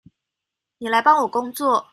妳來幫我工作